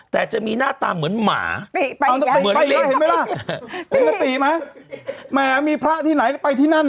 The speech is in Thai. แต่จะมีหน้าตาเหมือนหมาถึงแล้วเห็นไหมล่ะหรือติ